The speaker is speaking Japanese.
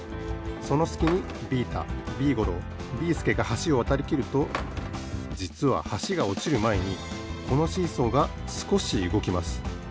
そのすきにビータビーゴロービーすけがはしをわたりきるとじつははしがおちるまえにこのシーソーがすこしうごきます。